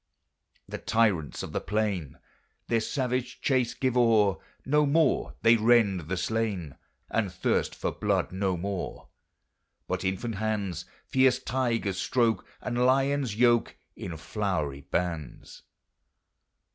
The tyrants of the plain Their savage chase give o'er, No more they rend the slain, And thirst for blood no more; But infant hands Fierce tigers stroke, And lions yoke In flowery bands.